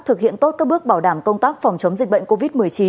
thực hiện tốt các bước bảo đảm công tác phòng chống dịch bệnh covid một mươi chín